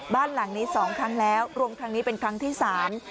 บ้านหลังนี้สองครั้งแล้วรวมครั้งนี้เป็นครั้งที่สาม